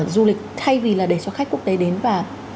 du lịch thay vì là để cho khách quốc tế đến và